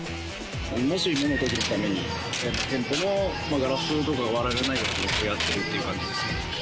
もしものときのために、店舗のガラスとか割られないようにやってるっていう感じですね。